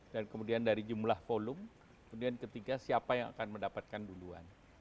dan kemudian dari jumlah kolum kemudian ketiga siapa yang akan mendapatkan duluan